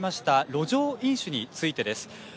路上飲酒についてです。